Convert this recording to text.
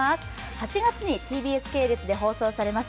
８月にＴＢＳ系列で放送されます